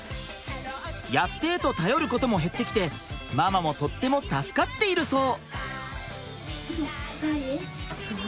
「やって」と頼ることも減ってきてママもとっても助かっているそう！